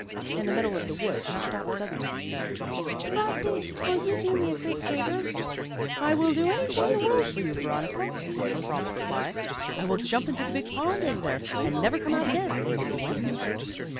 In the middle of the wood she stopped suddenly and said, "Blasi will you do me a great favor?" "I will do anything in the world for you, Veronica," was the prompt reply, "I will jump into the big pond over there, and never come out again, if you want me to."